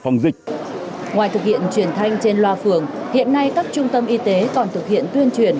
phòng dịch ngoài thực hiện truyền thanh trên loa phường hiện nay các trung tâm y tế còn thực hiện tuyên truyền